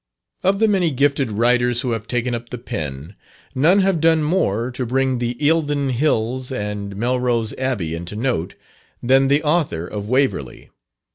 Of the many gifted writers who have taken up the pen, none have done more to bring the Eildon Hills and Melrose Abbey into note, than the author of "Waverley."